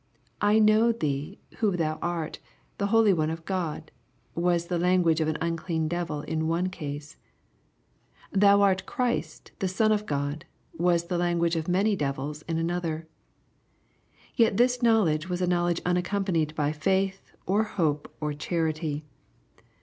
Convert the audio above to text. " I know thee who thou art, the holy one of God,'' was the language of an unclean devil in one case. —" Thou art Christ the son of God,*' was the language of many devils in another.— Yet this knowledge was a knowledge unaccompanied by faith, or hope, or charity.